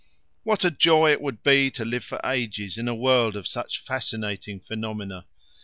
What a joy it would be to live for ages in a world of such fascinating phenomena!